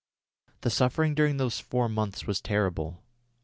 The suffering during those four months was terrible.